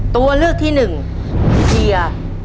ตัวเลือกที่๑เสีย